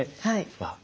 はい。